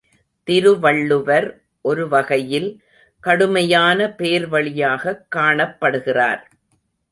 திருவள்ளுவர் ஒரு வகையில் கடுமையான பேர் வழியாகக் காணப்படுகிறார்.